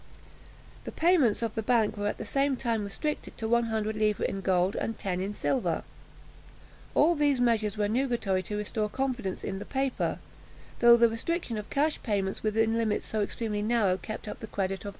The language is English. The payments of the bank were at the same time restricted to one hundred livres in gold, and ten in silver. All these measures were nugatory to restore confidence in the paper, though the restriction of cash payments within limits so extremely narrow kept up the credit of the bank.